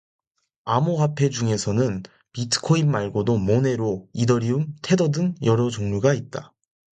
암호화페 중에서는 비트코인 말고도 모네로, 이더리움, 테더 등 여러 종류가 있다.